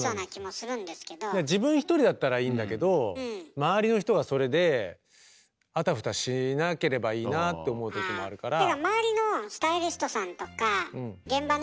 自分１人だったらいいんだけど周りの人がそれであたふたしなければいいなあって思う時もあるから。